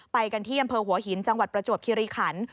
ไปกันที่อำเภอหัวหินจังหวัดประจวบคิริขัน